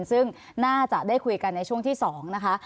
ซึ่งน่าจะได้คุยกันในช่วงที่๒นะคะ